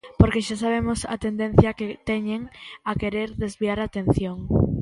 Porque xa sabemos a tendencia que teñen a querer desviar a atención.